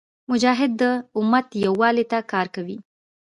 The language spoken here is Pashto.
مجاهد د امت یووالي ته کار کوي.